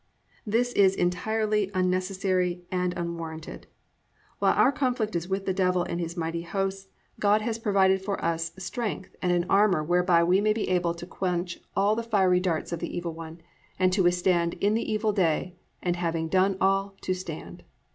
That is entirely unnecessary and unwarranted. While our conflict is with the Devil and his mighty hosts, God has provided for us a strength and an armour whereby we may "be able to quench all the fiery darts of the Evil One" and to "withstand in the evil day, and having done all to stand" (v.